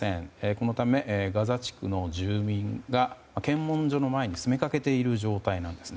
このため、ガザ地区の住民が検問所の前に詰め掛けている状態なんです。